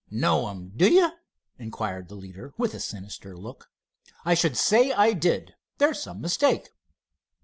"Know him, do you?" inquired the leader, with a sinister look. "I should say I did. There's some mistake."